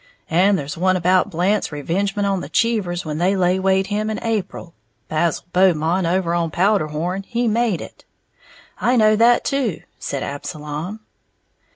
"And there's one about Blant's revengement on the Cheevers when they laywayed him in April, Basil Beaumont, over on Powderhorn, he made it." "I know that, too," said Absalom.